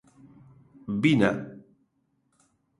Vina.